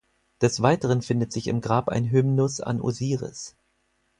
Des Weiteren findet sich im Grab ein Hymnus an Osiris.